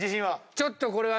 ちょっとこれは。